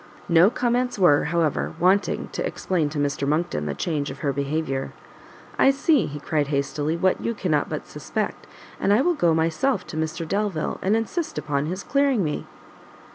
No comments were, however, wanting to explain to Mr Monckton the change of her behaviour. "I see," he cried hastily, "what you cannot but suspect; and I will go myself to Mr Delvile, and insist upon his clearing me."